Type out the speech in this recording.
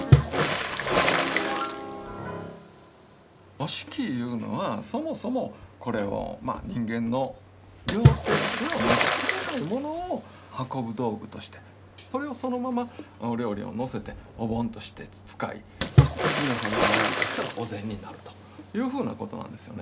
折敷いうのはそもそもこれを人間の両手では持ちきれないものを運ぶ道具としてそれをそのままお料理を載せてお盆として使いそして皆さんの前に出したらお膳になるというふうなことなんですよね。